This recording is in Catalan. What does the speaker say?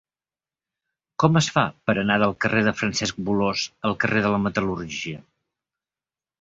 Com es fa per anar del carrer de Francesc Bolòs al carrer de la Metal·lúrgia?